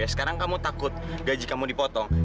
sekarang kamu takut gaji kamu dipotong